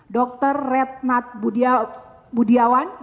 dr retnat budiawan